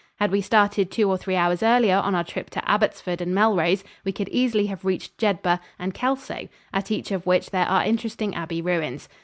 Had we started two or three hours earlier on our trip to Abbottsford and Melrose, we could easily have reached Jedburgh and Kelso, at each of which there are interesting abbey ruins.